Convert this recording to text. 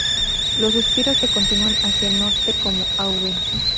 Los Suspiros que continúa hacia el nor-oriente como Av.